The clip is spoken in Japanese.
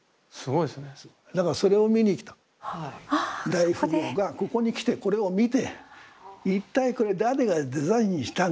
大富豪がここに来てこれを見て「一体これ誰がデザインしたんだ？」